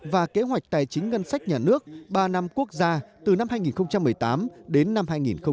và kế hoạch tài chính ngân sách nhà nước ba năm quốc gia từ năm hai nghìn một mươi tám đến năm hai nghìn hai mươi